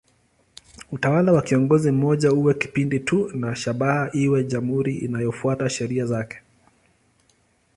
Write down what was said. Utawala wa kiongozi mmoja uwe kipindi tu na shabaha iwe jamhuri inayofuata sheria zake.